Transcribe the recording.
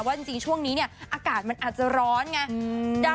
จริงช่วงนี้เนี่ยอากาศมันอาจจะร้อนไง